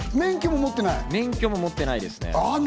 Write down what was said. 免許も持ってないですね。